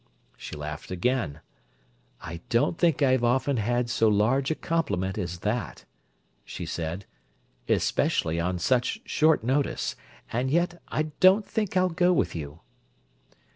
She laughed again. "I don't think I've often had so large a compliment as that," she said, "especially on such short notice—and yet, I don't think I'll go with you.